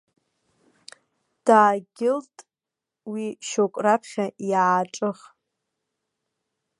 Даагьылт уи шьоук раԥхьа иааҿых!